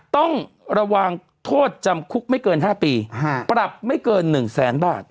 ต้องระวังโทษจำคุกไม่เกิน๕ปีปรับไม่เกิน๑แสนบาท